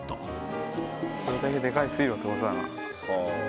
それだけでかい水路って事だな。